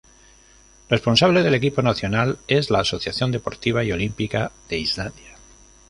Responsable del equipo nacional es la Asociación Deportiva y Olímpica de Islandia.